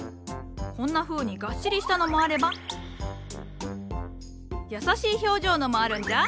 こんなふうにがっしりしたのもあれば優しい表情のもあるんじゃ。